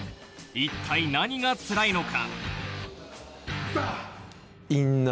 一体何がつらいのか？